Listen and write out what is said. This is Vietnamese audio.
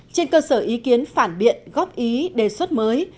trên cơ sở ý kiến phản biện góp ý đề xuất mới